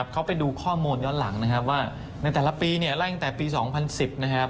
เขาไปดูข้อมูลย้อนหลังนะครับว่าในแต่ละปีเนี่ยไล่ตั้งแต่ปี๒๐๑๐นะครับ